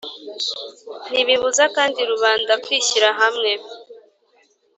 ntibibuza kandi rubanda kwishyira hamwe